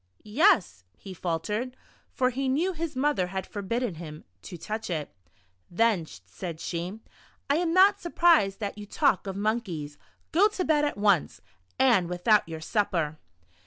"Yes," he faltered (for he knew his mother had forbidden him to touch it). "Then," said she, "I am not surprised that you talk of monkeys. Go to bed at once, and Avithout your supper."